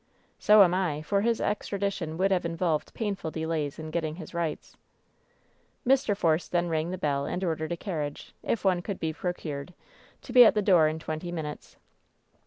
"So am I, for his extradition would have involved painful delays in getting his rights." Mr. Force then rang the bell and ordered a carriage — if one could be procured — ^to be at the door in twenty minutes.